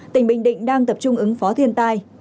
tỉnh bình định đang tập trung ứng phó thiên tai